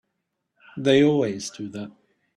They always do that.